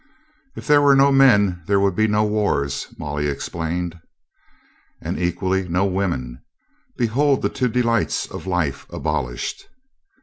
"If there were no men there would be no wars," Molly explained. "And equally no women. Behold the two delights of life abolished."